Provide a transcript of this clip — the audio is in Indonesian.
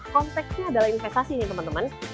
konteksnya adalah investasi nih teman teman